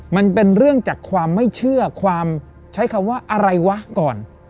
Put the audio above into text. มันเป็นเรื่องจากความไม่เชื่อความใช้คำว่าอะไรวะก่อน